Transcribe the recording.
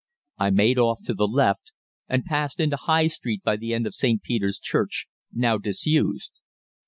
I made off to the left, and passed into High Street by the end of St. Peter's Church, now disused.